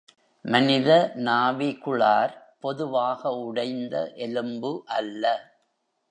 மனித நாவிகுளார் பொதுவாக உடைந்த எலும்பு அல்ல.